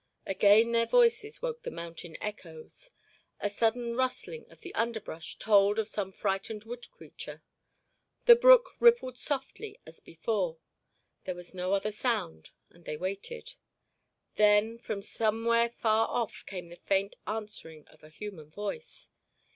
Again their voices woke the mountain echoes. A sudden rustling of the underbrush told of some frightened wood creature. The brook rippled softly as before. There was no other sound, and they waited. Then, from somewhere far off came the faint answering of a human voice.